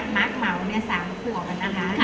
มาร์ตเม๋วเนี่ย๓ผัวหมดอ่ะนะฮะ